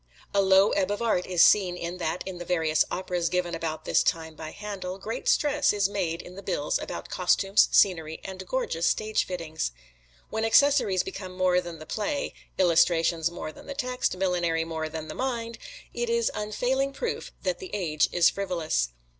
The low ebb of art is seen in that, in the various operas given about this time by Handel, great stress is made in the bills about costumes, scenery and gorgeous stage fittings. When accessories become more than the play illustrations more than the text millinery more than the mind it is unfailing proof that the age is frivolous.